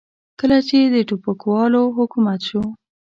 کله چې د ټوپکوالو حکومت شو.